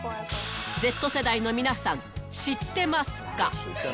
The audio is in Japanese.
Ｚ世代の皆さん、知ってますか？